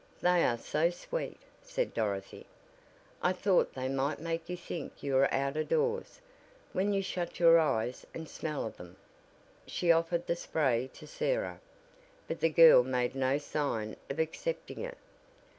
They are so sweet," said Dorothy, "I thought they might make you think you were out of doors, when you shut your eyes and smell of them." She offered the spray to Sarah, but the girl made no sign of accepting it.